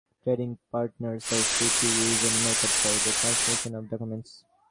Trading partners are free to use any method for the transmission of documents.